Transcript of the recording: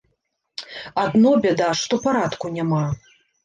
Адно бяда, што парадку няма.